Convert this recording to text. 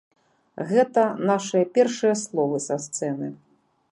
Гэта нашыя першыя словы са сцэны.